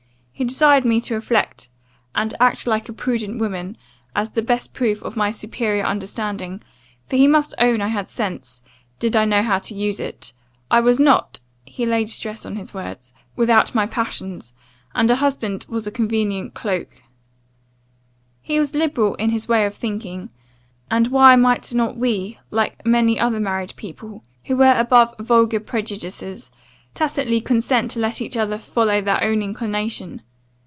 He desired me to reflect 'and act like a prudent woman, as the best proof of my superior understanding; for he must own I had sense, did I know how to use it. I was not,' he laid a stress on his words, 'without my passions; and a husband was a convenient cloke. He was liberal in his way of thinking; and why might not we, like many other married people, who were above vulgar prejudices, tacitly consent to let each other follow their own inclination?